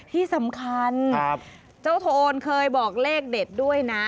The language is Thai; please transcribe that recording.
ที่สำคัญเจ้าโทนเคยบอกเลขเด็ดด้วยนะ